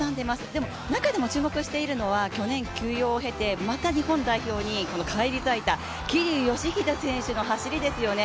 でも中でも注目しているのは去年、休養を経てまた日本代表に返り咲いた桐生祥秀選手の走りですよね。